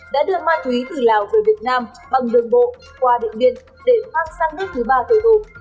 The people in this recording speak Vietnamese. đã đưa ma túy từ lào về việt nam bằng đường bộ qua điện biên để mang sang nước thứ ba tiêu thụ